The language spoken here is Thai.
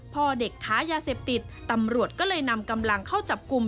พ่อเด็กค้ายาเสพติดตำรวจก็เลยนำกำลังเข้าจับกลุ่ม